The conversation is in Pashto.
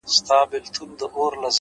پرمختګ د ثابتو هڅو محصول دی,